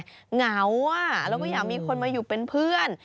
เหงาแล้วก็อยากมีคนมาอยู่เป็นเพื่อน